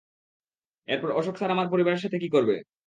এরপর অশোক স্যার আমার পরিবারের সাথে কী করবে?